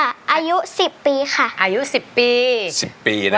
อายุ๑๐ปีค่ะอายุ๑๐ปี๑๐ปีนะ